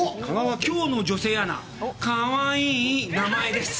きょうの女性アナ、かわいい名前です。